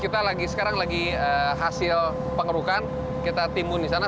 ini sekarang lagi hasil pengerukan kita timun di sana